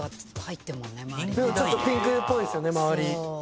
ちょっとピンクっぽいですよね周り。